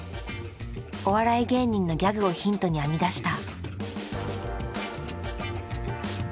お笑い芸人のギャグをヒントに編み出した。